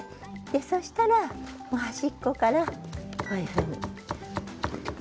そうしたら端っこからこういうふうに。